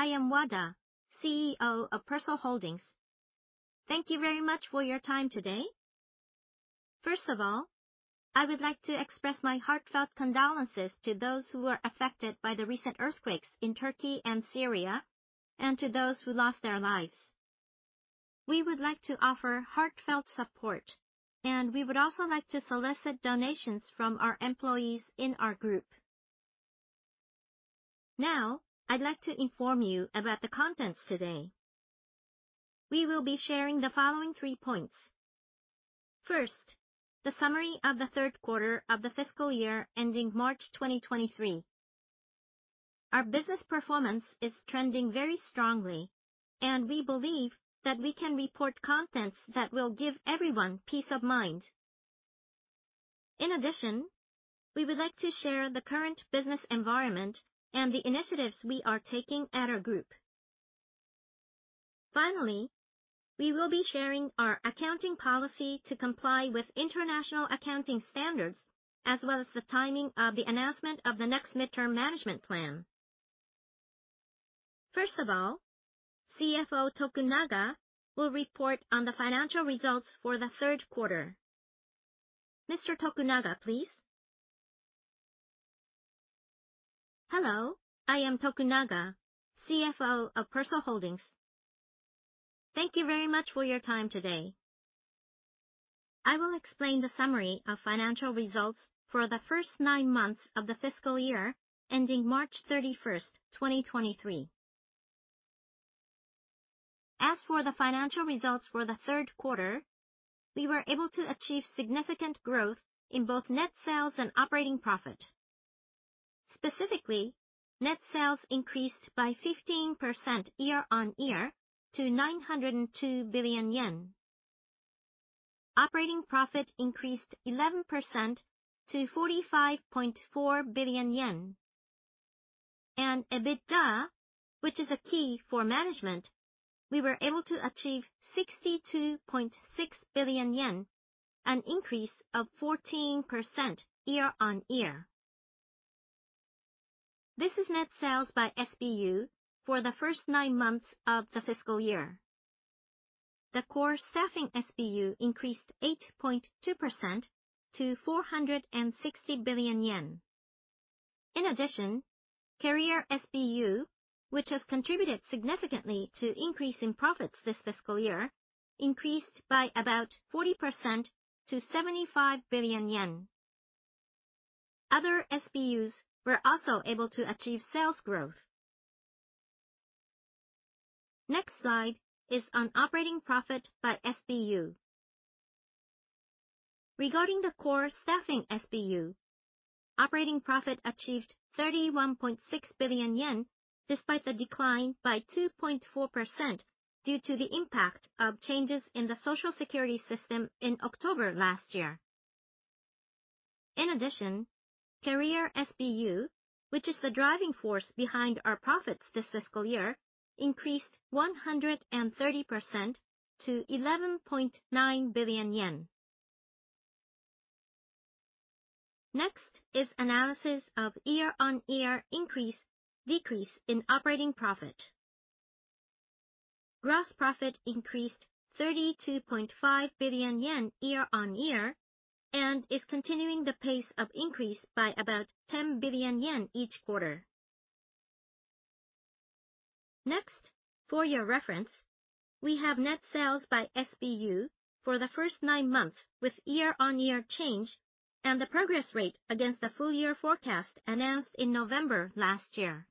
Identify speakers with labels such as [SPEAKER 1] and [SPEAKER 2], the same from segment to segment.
[SPEAKER 1] Hello, I am Wada, CEO of Persol Holdings. Thank you very much for your time today. First of all, I would like to express my heartfelt condolences to those who were affected by the recent earthquakes in Turkey and Syria and to those who lost their lives. We would like to offer heartfelt support, and we would also like to solicit donations from our employees in our group. Now I'd like to inform you about the contents today. We will be sharing the following three points. First, the summary of the third quarter of the fiscal year ending March 2023. Our business performance is trending very strongly, and we believe that we can report contents that will give everyone peace of mind. In addition, we would like to share the current business environment and the initiatives we are taking at our group. Finally, we will be sharing our accounting policy to comply with international accounting standards, as well as the timing of the announcement of the next midterm management plan. First of all, CFO Tokunaga will report on the financial results for the 3rd quarter. Mr. Tokunaga, please.
[SPEAKER 2] Hello, I am Tokunaga, CFO of Persol Holdings. Thank you very much for your time today. I will explain the summary of financial results for the 9 months of the fiscal year ending March 31, 2023. As for the financial results for the 3rd quarter, we were able to achieve significant growth in both net sales and operating profit. Specifically, net sales increased by 15% year-on-year to 902 billion yen. Operating profit increased 11% to 45.4 billion yen. EBITDA, which is a key for management, we were able to achieve 62.6 billion yen, an increase of 14% year-on-year. This is net sales by SBU for the first nine months of the fiscal year. The core Staffing SBU increased 8.2% to 460 billion yen. In addition, Career SBU, which has contributed significantly to increase in profits this fiscal year, increased by about 40% to 75 billion yen. Other SBUs were also able to achieve sales growth. Next slide is on operating profit by SBU. Regarding the core Staffing SBU, operating profit achieved 31.6 billion yen, despite a decline by 2.4% due to the impact of changes in the Social Security system in October last year. In addition, Career SBU, which is the driving force behind our profits this fiscal year, increased 130% to JPY 11.9 billion. Next is analysis of year-on-year increase, decrease in operating profit. Gross profit increased 32.5 billion yen year-on-year and is continuing the pace of increase by about 10 billion yen each quarter. Next, for your reference, we have net sales by SBU for the first nine months with year-on-year change and the progress rate against the full year forecast announced in November last year.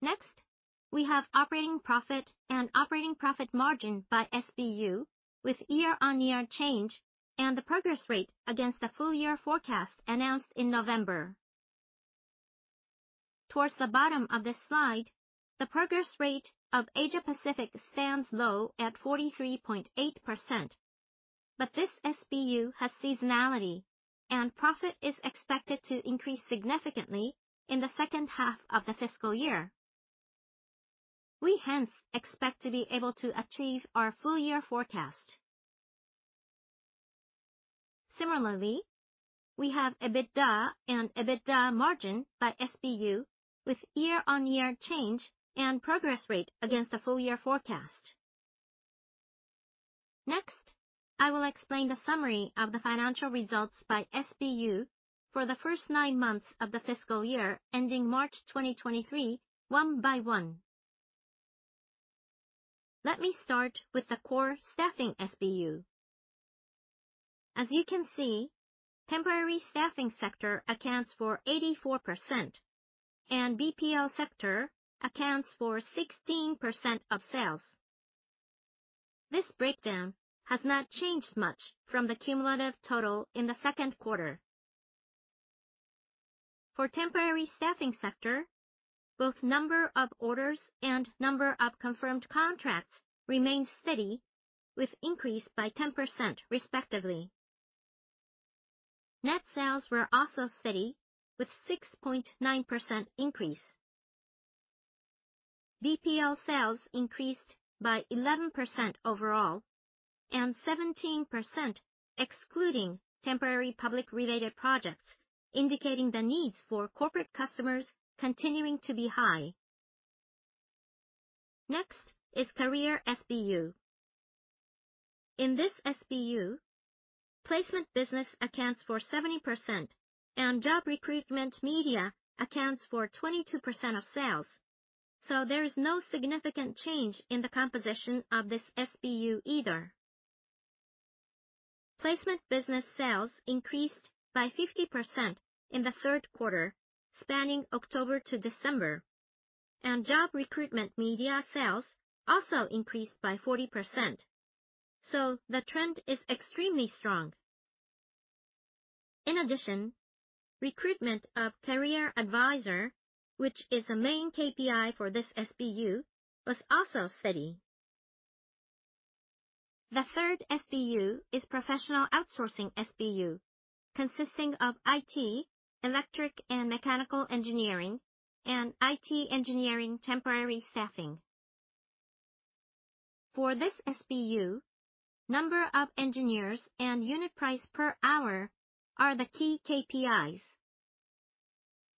[SPEAKER 2] Next, we have operating profit and operating profit margin by SBU with year-on-year change and the progress rate against the full year forecast announced in November. Towards the bottom of this slide, the progress rate of Asia Pacific stands low at 43.8%. This SBU has seasonality and profit is expected to increase significantly in the second half of the fiscal year. We hence expect to be able to achieve our full year forecast. Similarly, we have EBITDA and EBITDA margin by SBU with year-on-year change and progress rate against the full year forecast. Next, I will explain the summary of the financial results by SBU for the first nine months of the fiscal year ending March 2023 one by one. Let me start with the core Staffing SBU. As you can see, temporary staffing sector accounts for 84% and BPO sector accounts for 16% of sales. This breakdown has not changed much from the cumulative total in the second quarter. For temporary staffing sector, both number of orders and number of confirmed contracts remained steady with increase by 10% respectively. Net sales were also steady with 6.9% increase. BPO sales increased by 11% overall, and 17% excluding temporary public-related projects, indicating the needs for corporate customers continuing to be high. Next is Career SBU. In this SBU, placement business accounts for 70% and job recruitment media accounts for 22% of sales, so there is no significant change in the composition of this SBU either. Placement business sales increased by 50% in the 3rd quarter, spanning October to December, and job recruitment media sales also increased by 40%, so the trend is extremely strong. In addition, recruitment of career advisor, which is a main KPI for this SBU, was also steady. The 3rd SBU is Professional Outsourcing SBU, consisting of IT, electric and mechanical engineering, and IT engineering temporary staffing. For this SBU, number of engineers and unit price per hour are the key KPIs.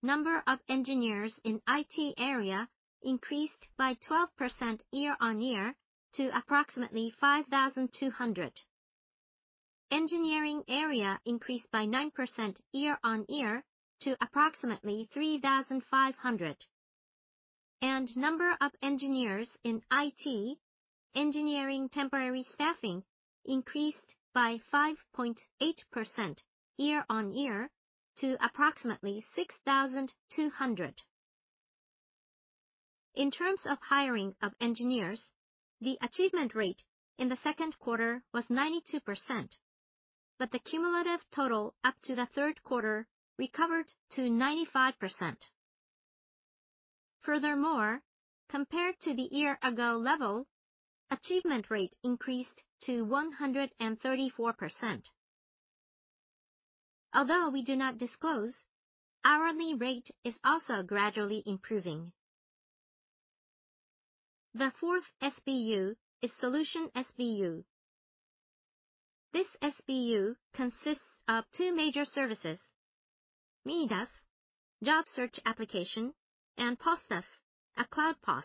[SPEAKER 2] Number of engineers in IT area increased by 12% year-on-year to approximately 5,200. Engineering area increased by 9% year-on-year to approximately 3,500. Number of engineers in IT engineering temporary staffing increased by 5.8% year-on-year to approximately 6,200. In terms of hiring of engineers, the achievement rate in the second quarter was 92%, but the cumulative total up to the third quarter recovered to 95%. Compared to the year-ago level, achievement rate increased to 134%. We do not disclose, hourly rate is also gradually improving. The fourth SBU is Solution SBU. This SBU consists of two major services, MIIDAS, job search application, and POS+, a cloud POS.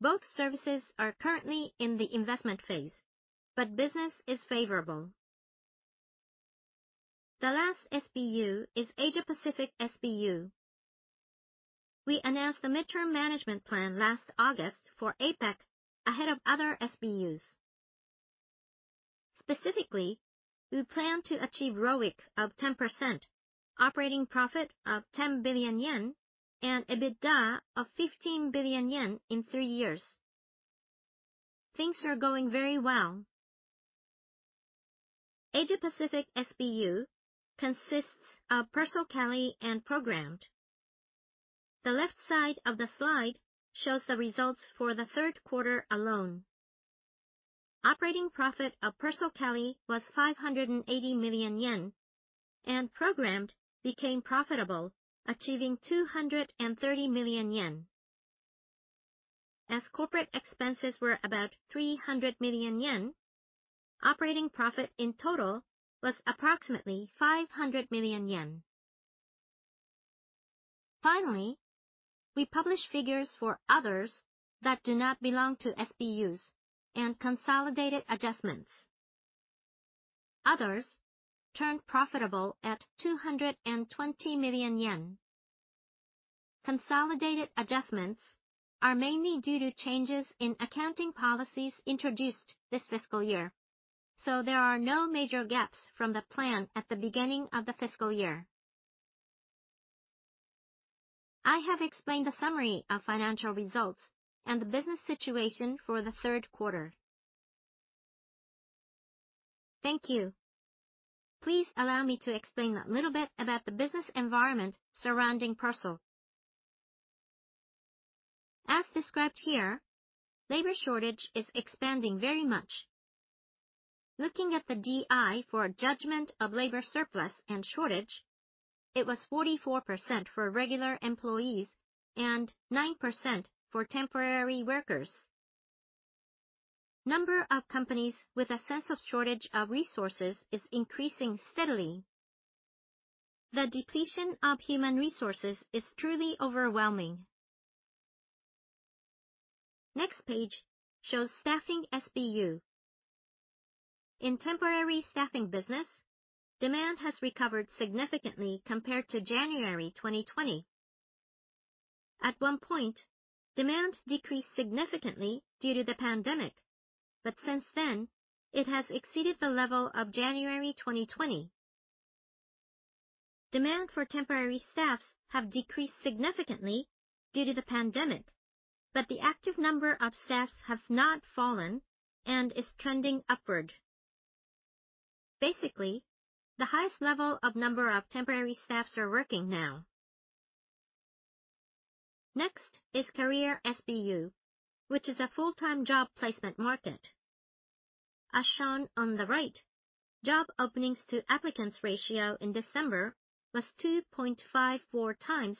[SPEAKER 2] Both services are currently in the investment phase, business is favorable. The last SBU is Asia Pacific SBU. We announced the midterm management plan last August for APAC ahead of other SBUs. Specifically, we plan to achieve ROIC of 10%, operating profit of 10 billion yen, and EBITDA of 15 billion yen in three years. Things are going very well. Asia Pacific SBU consists of PERSOLKELLY and Programmed. The left side of the slide shows the results for the third quarter alone. Operating profit of PERSOLKELLY was 580 million yen, and Programmed became profitable, achieving 230 million yen. As corporate expenses were about 300 million yen, operating profit in total was approximately 500 million yen.
[SPEAKER 1] Finally, we publish figures for others that do not belong to SBUs and consolidated adjustments. Others turned profitable at 220 million yen. Consolidated adjustments are mainly due to changes in accounting policies introduced this fiscal year, so there are no major gaps from the plan at the beginning of the fiscal year. I have explained the summary of financial results and the business situation for the third quarter. Thank you. Please allow me to explain a little bit about the business environment surrounding PERSOL. As described here, labor shortage is expanding very much. Looking at the DI for judgment of labor surplus and shortage, it was 44% for regular employees and 9% for temporary workers. Number of companies with a sense of shortage of resources is increasing steadily. The depletion of human resources is truly overwhelming. Next page shows Staffing SBU.
[SPEAKER 2] In temporary staffing business, demand has recovered significantly compared to January 2020. At one point, demand decreased significantly due to the pandemic, but since then, it has exceeded the level of January 2020. Demand for temporary staffs have decreased significantly due to the pandemic, but the active number of staffs have not fallen and is trending upward. Basically, the highest level of number of temporary staffs are working now. Next is Career SBU, which is a full-time job placement market. As shown on the right, job openings to applicants ratio in December was 2.54 times,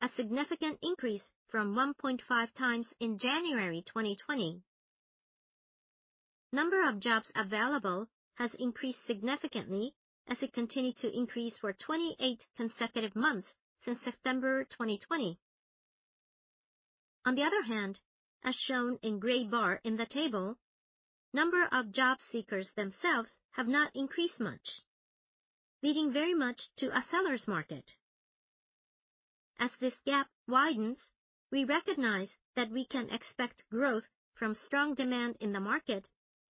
[SPEAKER 2] a significant increase from 1.5 times in January 2020. Number of jobs available has increased significantly as it continued to increase for 28 consecutive months since September 2020. On the other hand, as shown in gray bar in the table, number of job seekers themselves have not increased much, leading very much to a seller's market. This gap widens, we recognize that we can expect growth from strong demand in the market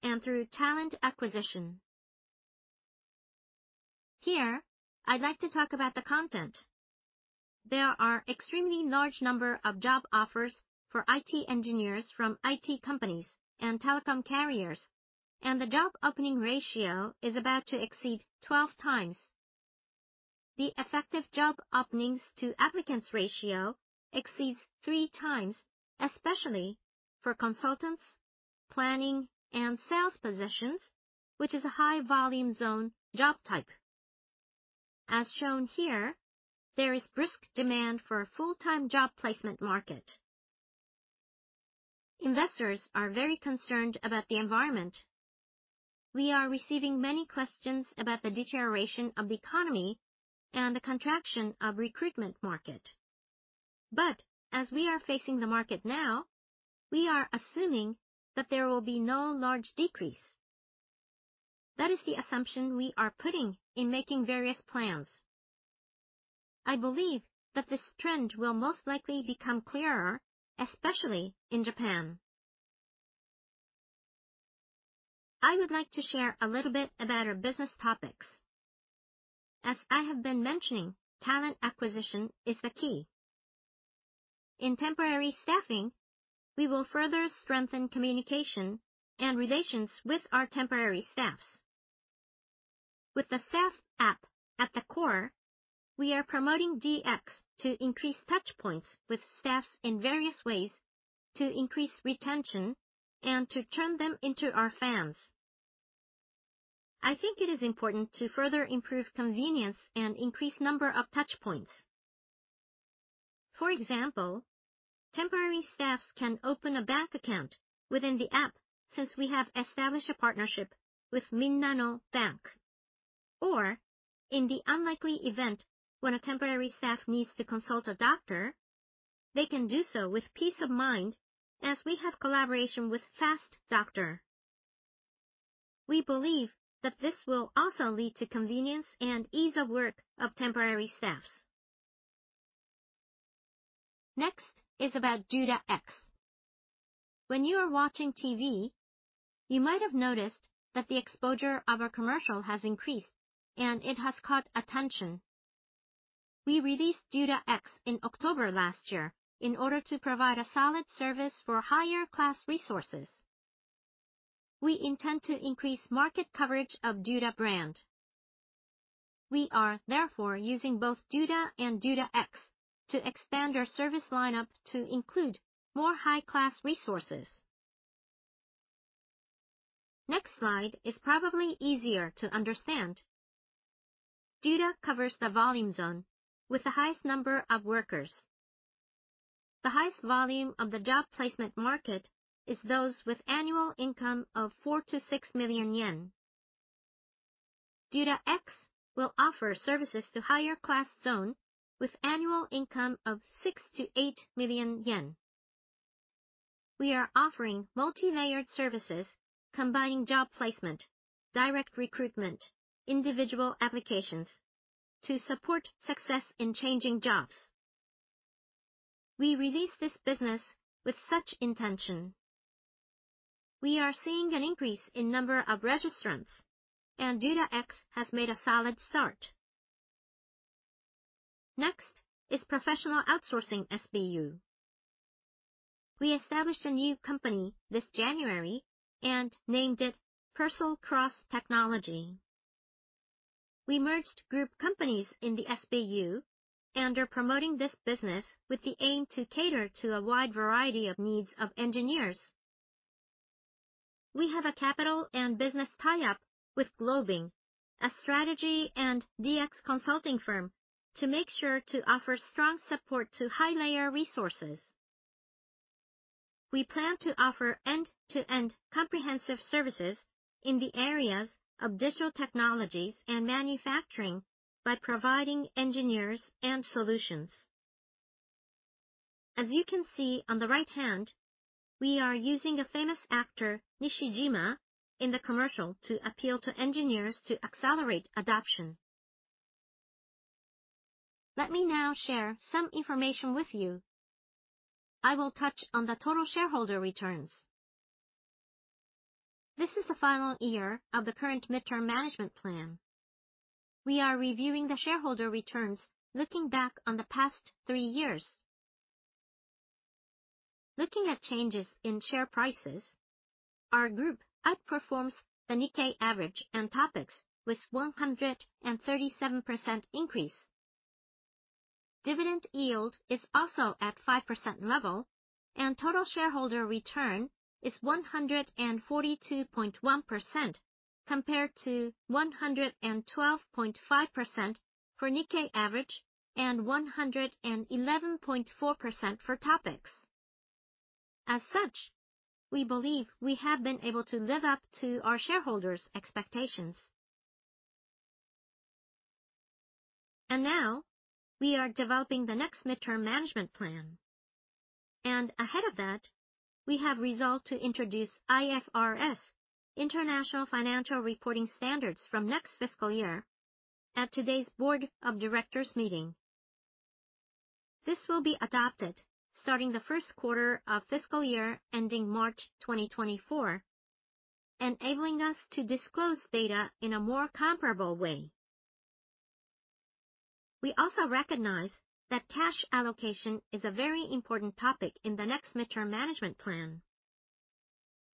[SPEAKER 2] and through talent acquisition. Here, I'd like to talk about the content. There are extremely large number of job offers for IT engineers from IT companies and telecom carriers, and the job opening ratio is about to exceed 12 times. The effective job openings to applicants ratio exceeds three times, especially for consultants, planning, and sales positions, which is a high volume zone job type. Shown here, there is brisk demand for a full-time job placement market. Investors are very concerned about the environment. We are receiving many questions about the deterioration of the economy and the contraction of recruitment market. As we are facing the market now, we are assuming that there will be no large decrease. That is the assumption we are putting in making various plans. I believe that this trend will most likely become clearer, especially in Japan. I would like to share a little bit about our business topics. As I have been mentioning, talent acquisition is the key. In temporary staffing, we will further strengthen communication and relations with our temporary staffs. With the staff app at the core, we are promoting DX to increase touchpoints with staffs in various ways to increase retention and to turn them into our fans. I think it is important to further improve convenience and increase number of touchpoints. For example, temporary staffs can open a bank account within the app since we have established a partnership with Minna Bank. In the unlikely event when a temporary staffs needs to consult a doctor, they can do so with peace of mind as we have collaboration with Fast Doctor. We believe that this will also lead to convenience and ease of work of temporary staffs. Next is about doda X. When you are watching TV, you might have noticed that the exposure of our commercial has increased and it has caught attention. We released doda X in October last year in order to provide a solid service for higher class resources. We intend to increase market coverage of doda brand. We are therefore using both Doda and Doda X to expand our service lineup to include more high-class resources. Next slide is probably easier to understand. doda covers the volume zone with the highest number of workers. The highest volume of the job placement market is those with annual income of 4 million-6 million yen. doda X will offer services to higher class zone with annual income of 6 million-8 million yen. We are offering multi-layered services combining job placement, direct recruitment, individual applications to support success in changing jobs. We released this business with such intention. We are seeing an increase in number of registrants and doda X has made a solid start. Next is Professional Outsourcing SBU. We established a new company this January and named it PERSOL CROSS TECHNOLOGY. We merged group companies in the SBU and are promoting this business with the aim to cater to a wide variety of needs of engineers. We have a capital and business tie-up with GLOBIS, a strategy and DX consulting firm, to make sure to offer strong support to high-layer resources. We plan to offer end-to-end comprehensive services in the areas of digital technologies and manufacturing by providing engineers and solutions. As you can see on the right hand, we are using a famous actor, Nishijima, in the commercial to appeal to engineers to accelerate adoption. Let me now share some information with you. I will touch on the total shareholder returns. This is the final year of the current midterm management plan. We are reviewing the shareholder returns looking back on the past three years. Looking at changes in share prices, our group outperforms the Nikkei Average and TOPIX with 137% increase. Dividend yield is also at 5% level and total shareholder return is 142.1% compared to 112.5% for Nikkei Average and 111.4% for TOPIX. As such, we believe we have been able to live up to our shareholders' expectations. Now we are developing the next midterm management plan. Ahead of that, we have resolved to introduce IFRS, International Financial Reporting Standards, from next fiscal year at today's board of directors meeting. This will be adopted starting the first quarter of fiscal year ending March 2024, enabling us to disclose data in a more comparable way. We also recognize that cash allocation is a very important topic in the next midterm management plan.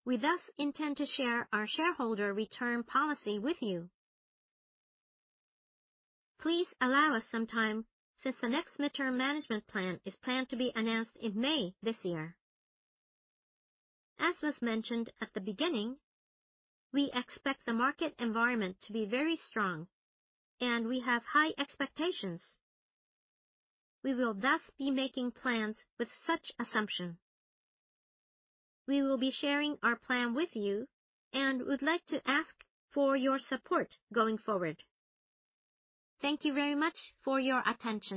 [SPEAKER 2] We thus intend to share our shareholder return policy with you. Please allow us some time since the next midterm management plan is planned to be announced in May this year. As was mentioned at the beginning, we expect the market environment to be very strong and we have high expectations. We will thus be making plans with such assumption. We will be sharing our plan with you and would like to ask for your support going forward. Thank you very much for your attention.